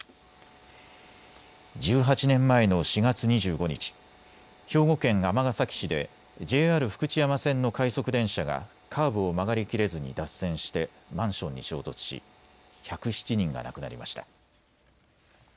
１８年前の４月２５日、兵庫県尼崎市でＪＲ福知山線の快速電車がカーブを曲がりきれずに脱線してマンションに衝突し１０７人が亡くなりました。